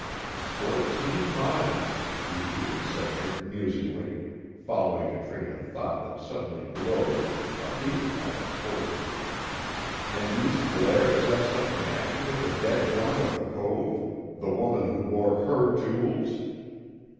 "Fourteen miles," repeated Sedgwick musingly, following a train of thought that suddenly glowed, a beacon light of hope. "And these Blairs have some connection with the dead woman of the cove, the woman who wore her jewels."